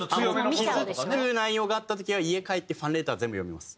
傷つく内容があった時は家帰ってファンレター全部読みます。